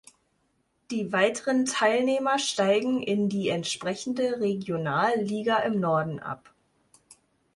Die weiteren Teilnehmer steigen in die entsprechende Regionalliga im Norden ab.